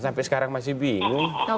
sampai sekarang masih bingung